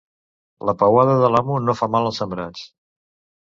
La peuada de l'amo no fa mal als sembrats.